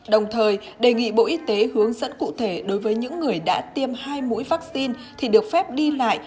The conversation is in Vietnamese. đồng thời đề nghị bộ y tế hướng dẫn cụ thể đối với những người đã tiêm hai mũi vaccine thì được phép đi lại